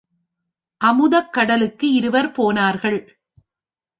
அமுதக் கடலுக்கு இருவர் போனார்கள்.